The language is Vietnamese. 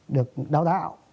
được đào tạo